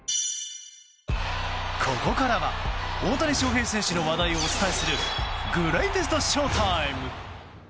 ここからは大谷翔平選手の話題をお伝えするグレイテストＳＨＯ‐ＴＩＭＥ！